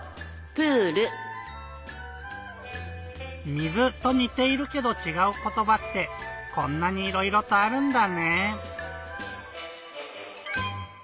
「水」とにているけどちがうことばってこんなにいろいろとあるんだね。